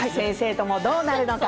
ともどうなるのか。